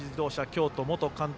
京都元監督